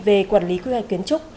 về quản lý quy hoạch kiến trúc